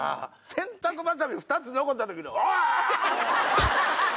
洗濯ばさみ２つ残ったときの「おぉ！」。